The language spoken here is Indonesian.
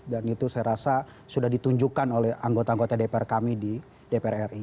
dan itu saya rasa sudah ditunjukkan oleh anggota anggota dpr kami di dpr ri